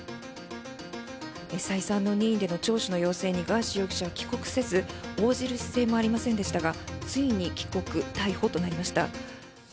再三の任意での聴取の要請にガーシー容疑者は帰国せず応じる姿勢もありませんでしたがついに帰国、逮捕となりました。